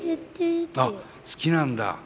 あっ好きなんだ。